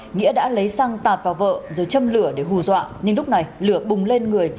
nghĩa đã lấy xăng tạt vào vợ rồi châm lửa để hù dọa nhưng lúc này lửa bùng lên người